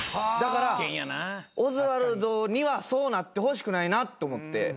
だからオズワルドにはそうなってほしくないなと思って。